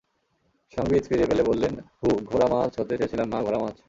সংবিৎ ফিরে পেলে বললেন,-হু, ঘোড়া মাছ হতে চেয়েছিলাম মা, ঘোড়া মাছ।